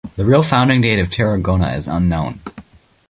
The real founding date of Tarragona is unknown.